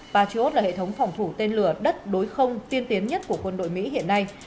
patriot là hệ thống phòng thủ tên lửa đất đối không tiên tiến nhất của quân đội mỹ hiện nay